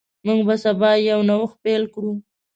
موږ به سبا یو نوښت پیل کړو.